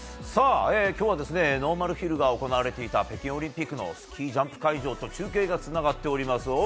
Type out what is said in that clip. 今日はノーマルヒルが行われていた北京オリンピックのジャンプ会場と中継がつながっております。